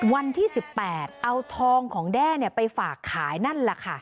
วันที่๑๘เอาทองของแด้ไปฝากขายนั่นแหละค่ะ